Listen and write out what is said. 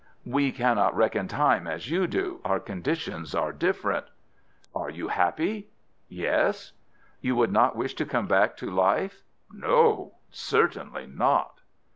"We cannot reckon time as you do. Our conditions are different." "Are you happy?" "Yes." "You would not wish to come back to life?" "No—certainly not."